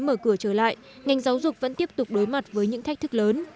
mở cửa trở lại ngành giáo dục vẫn tiếp tục đối mặt với những thách thức lớn